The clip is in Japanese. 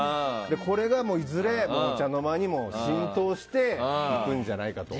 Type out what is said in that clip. これがいずれ、お茶の間にも浸透していくんじゃないかと。